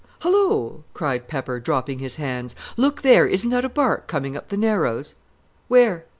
"Hullo!" cried Pepper, dropping his hands. "Look there! Isn't that a bark coming up the Narrows?" "Where?"